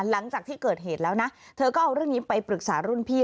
หลังจากที่เกิดเหตุแล้วนะเธอก็เอาเรื่องนี้ไปปรึกษารุ่นพี่